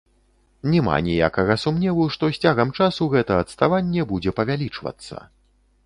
Няма ніякага сумневу, што з цягам часу гэта адставанне будзе павялічвацца.